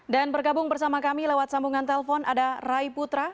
dan bergabung bersama kami lewat sambungan telpon ada rai putra